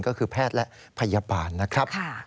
ก็คือแพทย์และพยาบาลนะครับ